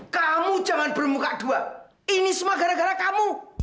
kamu jangan bermuka dua ini semua gara gara kamu